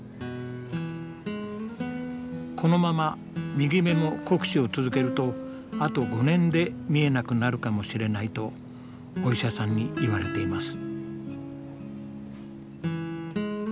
このまま右目も酷使を続けるとあと５年で見えなくなるかもしれないとお医者さんに言われています。